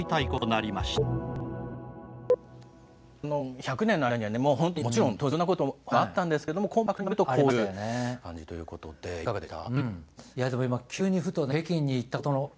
１００年の間にはもちろん、いろんなことがほかにもあったんですけどもコンパクトにまとめるとこういう感じということでいかがでした？